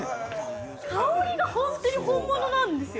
香りが本当に、本物なんですよ。